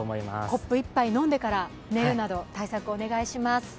コップ１杯飲んでから寝るなど対策をお願いします。